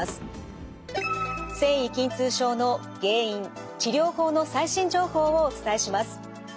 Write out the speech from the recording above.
線維筋痛症の原因治療法の最新情報をお伝えします。